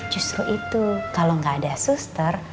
justru itu kalau nggak ada suster